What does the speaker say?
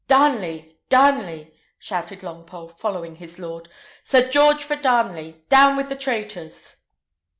"Darnley! Darnley!" shouted Longpole, following his lord. "St. George for Darnley! down with the traitors!"